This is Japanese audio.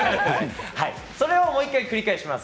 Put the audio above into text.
これをもう１回、繰り返します。